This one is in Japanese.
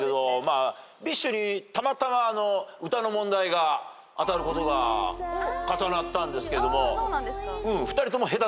ＢｉＳＨにたまたま歌の問題が当たることが重なったんですけれども。